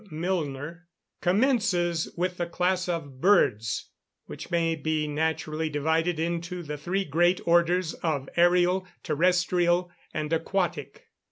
Milner) commences with the class of Birds, which may be naturally divided into the three great orders of ærial, terrestrial, and aquatic.